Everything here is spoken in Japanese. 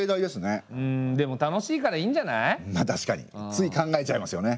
つい考えちゃいますよね。